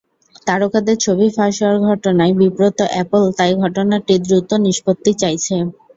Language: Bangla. তারকাদের ছবি ফাঁস হওয়ার ঘটনায় বিব্রত অ্যাপল তাই ঘটনাটির দ্রুত নিষ্পত্তি চাইছে।